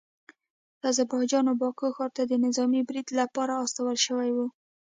د اذربایجان باکو ښار ته د نظامي پریډ لپاره استول شوي وو